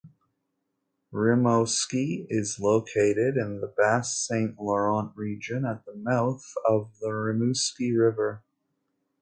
Rimouski is located in the Bas-Saint-Laurent region, at the mouth of the Rimouski River.